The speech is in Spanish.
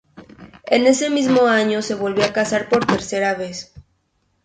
En ese mismo año se volvió a casar por tercera vez.